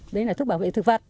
đấy là thuốc bảo vệ thực vật